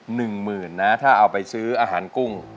หนึ่งหมื่นนะถ้าเอาไปซื้ออาหารกุ้ง